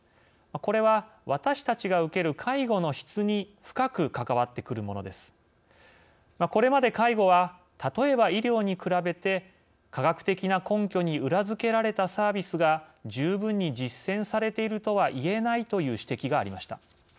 これまで介護は例えば医療に比べて「科学的な根拠に裏付けられたサービスが十分に実践されているとは言えない」という指摘がありました。